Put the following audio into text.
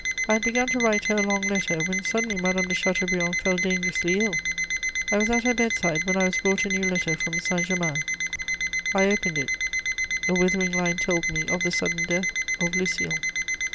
I had begun to write her a long letter, when suddenly Madame de Chateaubriand fell dangerously ill: I was at her bedside when I was brought a new letter from Saint Germain; I opened it: a withering line told me of the sudden death of Lucile.